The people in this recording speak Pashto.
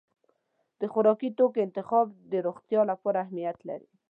د خوراکي توکو انتخاب د روغتیا لپاره اهمیت لري.